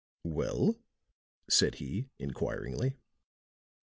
"Well?" said he, inquiringly.